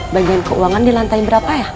bagian keuangan di lantai berapa ya